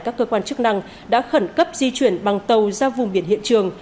các cơ quan chức năng đã khẩn cấp di chuyển bằng tàu ra vùng biển hiện trường